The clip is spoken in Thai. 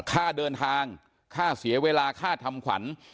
ค่าเดินทางค่าเสียเวลาค่าทำขวัญ